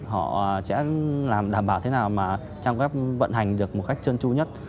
họ sẽ làm đảm bảo thế nào mà trang web vận hành được một cách chân chu nhất